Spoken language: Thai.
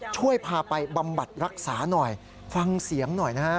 ช่วยพาไปบำบัดรักษาหน่อยฟังเสียงหน่อยนะฮะ